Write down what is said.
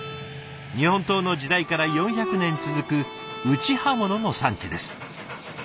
日本刀の時代から４００年続く打刃物の産地です。